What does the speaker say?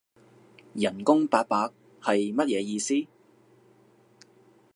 人工八百？係乜嘢意思？